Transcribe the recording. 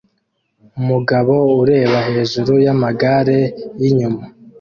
Umugabo ureba hejuru yamagare yinyuma